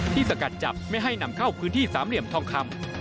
สกัดจับไม่ให้นำเข้าพื้นที่สามเหลี่ยมทองคำ